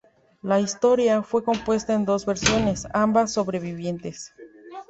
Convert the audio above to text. La "Historia" fue compuesta en dos versiones, ambas sobrevivientes.